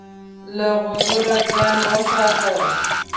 له غرور ځان وساته.